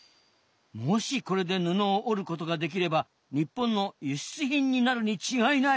もしこれで布を織ることができれば日本の輸出品になるに違いない。